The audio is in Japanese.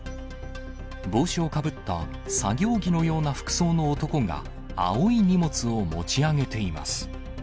帽子をかぶった作業着のような服装の男が、青い荷物を持ち上げています。